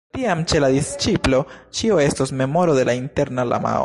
Tiam ĉe la disĉiplo ĉio estos memoro de la interna lamao.